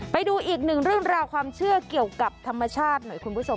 ไปดูอีกหนึ่งเรื่องราวความเชื่อเกี่ยวกับธรรมชาติหน่อยคุณผู้ชม